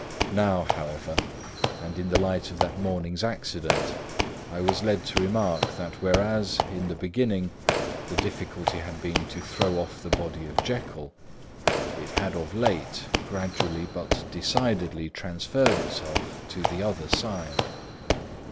Now, however, and in the light of that morning's accident, I was led to remark that whereas, in the beginning, the difficulty had been to throw off the body of Jekyll, it had of late gradually but decidedly transferred itself to the other side.